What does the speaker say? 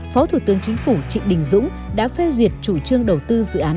phó thủ tướng chính phủ trịnh đình dũng đã phê duyệt chủ trương đầu tư dự án